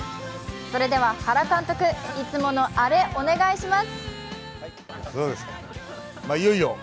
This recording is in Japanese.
それでは原監督、いつものあれ、お願いします。